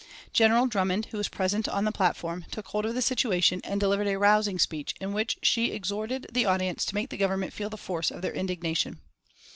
General Drummond, who was present on the platform, took hold of the situation and delivered a rousing speech, in which she exhorted the audience to make the Government feel the force of their indignation.